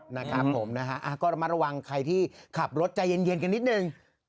เดี๋ยวมาระวังใครที่ขับรถใจเย็นในนิดนึง